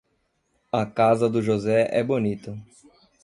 A casa do José é bonita.